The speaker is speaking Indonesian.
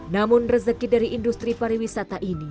namun rezeki dari industri pariwisata ini